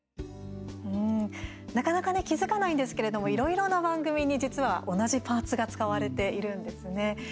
なかなか気付かないんですけれどもいろいろな番組に実は同じパーツが使われているんですね。